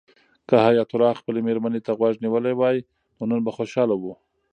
که حیات الله خپلې مېرمنې ته غوږ نیولی وای نو نن به خوشحاله و.